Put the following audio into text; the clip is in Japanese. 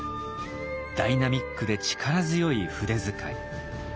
ダイナミックで力強い筆遣い。